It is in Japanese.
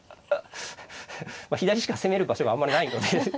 左しか攻める場所があんまりないので。